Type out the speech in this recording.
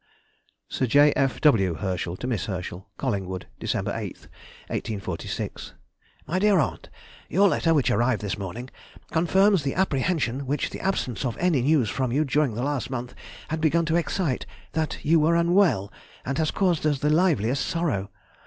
SIR J. F. W. HERSCHEL TO MISS HERSCHEL. COLLINGWOOD, Dec. 8, 1846. MY DEAR AUNT,— Your letter, which arrived this morning, confirms the apprehension which the absence of any news from you during the last month had begun to excite, that you were unwell, and has caused us the liveliest sorrow.